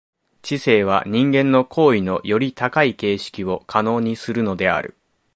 知性は人間の行為のより高い形式を可能にするのである。